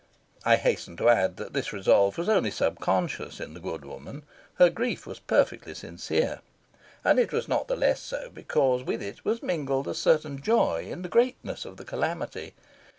I hasten to add that this resolve was only sub conscious in the good woman. Her grief was perfectly sincere. And it was not the less so because with it was mingled a certain joy in the greatness of the calamity.